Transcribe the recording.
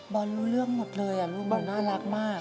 บอลรู้เรื่องหมดเลยน่ารักมาก